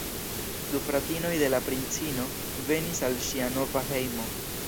Du fratinoj de la princino venis al ŝia nova hejmo.